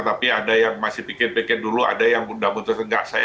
tapi ada yang masih pikir pikir dulu ada yang udah mutus